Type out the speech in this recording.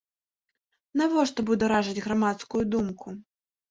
Навошта бударажыць грамадскую думку?